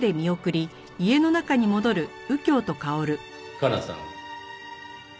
加奈さん。